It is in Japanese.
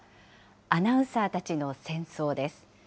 アナウンサーたちの戦争です。